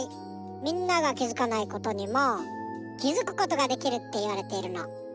みんながきづかないことにもきづくことができるっていわれているの。